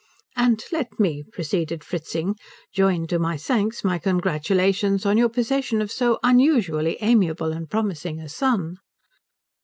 "And let me," proceeded Fritzing, "join to my thanks my congratulations on your possession of so unusually amiable and promising a son."